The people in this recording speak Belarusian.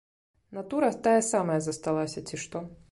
Натура тая самая засталася, ці што.